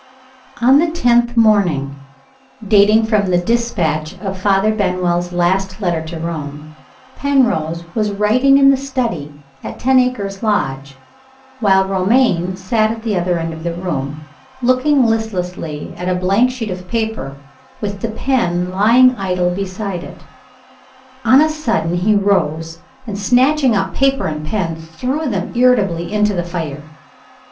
ON the tenth morning, dating from the dispatch of Father Benwell's last letter to Rome, Penrose was writing in the study at Ten Acres Lodge, while Romayne sat at the other end of the room, looking listlessly at a blank sheet of paper, with the pen lying idle beside it. On a sudden he rose, and, snatching up paper and pen, threw them irritably into the fire.